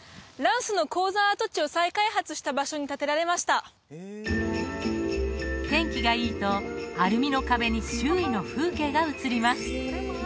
ランスの鉱山跡地を再開発した場所に建てられました天気がいいとアルミの壁に周囲の風景が映ります